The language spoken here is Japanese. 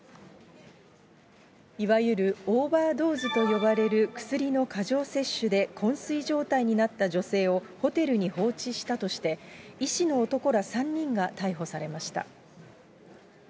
いわゆるオーバードーズと呼ばれる薬の過剰摂取で、昏睡状態になった女性をホテルに放置したとして、医師の男ら３人が逮捕されました。